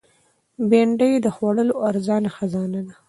بېنډۍ د خوړو ارزانه خزانه ده